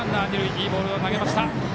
いいボールを投げました。